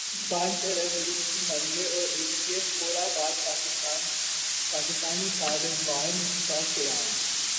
پھر افغانستان پر امریکی حملہ اور اسکے فورا بعد پاکستانی طالبان کا قیام ۔